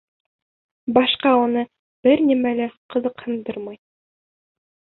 Башҡа уны бер нәмә лә ҡыҙыҡһындырмай.